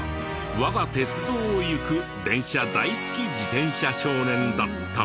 我が鉄道をゆく電車大好き自転車少年だった。